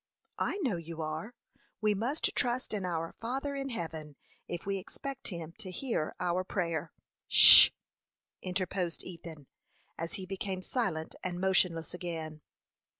"I know you are. We must trust in our Father in heaven if we expect him to hear our prayer." "'Sh!" interposed Ethan, as he became silent and motionless again.